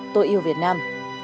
tôi yêu việt nam